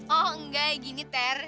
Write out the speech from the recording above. oh enggak gini ter